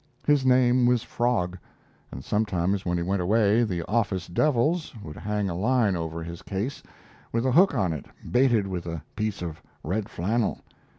His name was Frog, and sometimes when he went away the "office devils" would hang a line over his case, with a hook on it baited with a piece of red flannel.